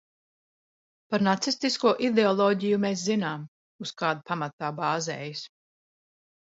Par nacistisko ideoloģiju mēs zinām, uz kāda pamata tā bāzējās.